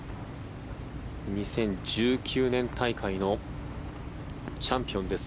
２０１９年大会のチャンピオンです。